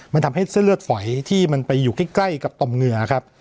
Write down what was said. มันทำให้เส้นเลือดฝอยที่มันไปอยู่ใกล้กับต่อมเหงื่อครับ